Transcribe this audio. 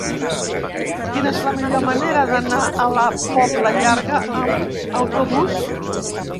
Quina és la millor manera d'anar a la Pobla Llarga amb autobús?